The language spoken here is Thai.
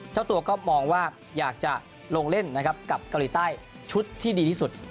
เจ้าตัวก็มองว่าอยากจะลงเล่นนะครับกับเกาหลีใต้ชุดที่ดีที่สุด